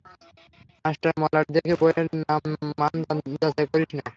Master, মলাট দেখে বইয়ের মান যাচাই করিস না।